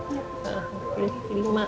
pilih lima stel aja ya